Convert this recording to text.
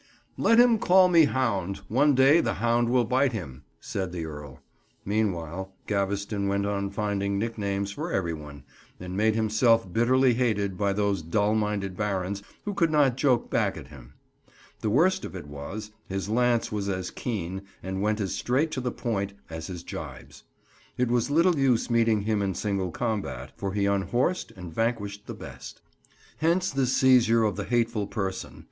"Let him call me hound: one day the hound will bite him," said the Earl. Meanwhile, Gaveston went on finding nicknames for every one, and made himself bitterly hated by those dull minded barons who could not joke back at him. The worst of it was, his lance was as keen, and went as straight to the point, as his gibes. It was little use meeting him in single combat, for he unhorsed and vanquished the best. Hence this seizure of the hateful person.